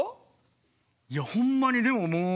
いやほんまにでももう。